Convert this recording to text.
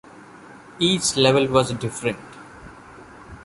Each level was different.